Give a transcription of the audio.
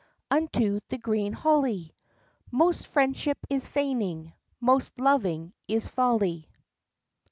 unto the green holly; Most friendship is feigning, most loving is folly."